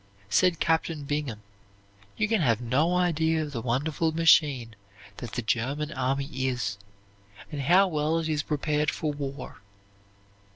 Said Captain Bingham: "You can have no idea of the wonderful machine that the German army is and how well it is prepared for war.